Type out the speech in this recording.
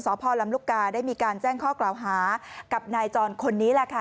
พ่อลำลูกกาได้มีการแจ้งข้อกล่าวหากับนายจรคนนี้แหละค่ะ